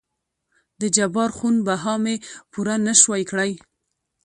دجبار خون بها مې پوره نه شوى کړى.